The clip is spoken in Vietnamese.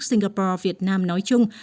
singapore việt nam nói chung